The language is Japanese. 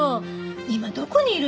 今どこにいるの？